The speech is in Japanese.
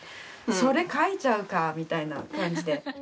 それ書いちゃうかみたいな感じで。